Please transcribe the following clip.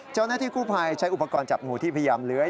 เจ้าหน้าที่กู้ภัยใช้อุปกรณ์จับงูที่พยายามเลื้อย